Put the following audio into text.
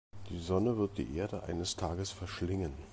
Die Sonne wird die Erde eines Tages verschlingen.